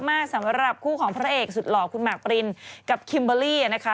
สำหรับคู่ของพระเอกสุดหล่อคุณหมากปรินกับคิมเบอร์รี่นะคะ